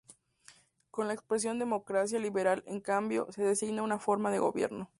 Con la expresión democracia liberal, en cambio, se designa a una forma de gobierno.